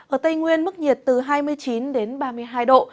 ở tây nguyên mức nhiệt từ hai mươi chín đến ba mươi hai độ